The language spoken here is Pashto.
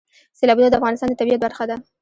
سیلابونه د افغانستان د طبیعت برخه ده.